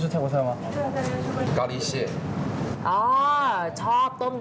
อืมรู้ไหมว่าดังมากเลยตอนนี้